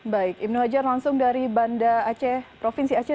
baik ibnu hajar langsung dari banda aceh provinsi aceh